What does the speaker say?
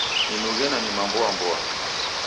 Ninughe nanyuma mboa mboa